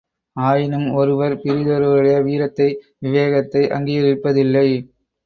ஆயினும் ஒருவர் பிறிதொருவருடைய வீரத்தை, விவேகத்தை அங்கீகரிப்பதில்லை.